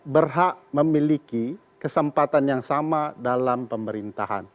berhak memiliki kesempatan yang sama dalam pemerintahan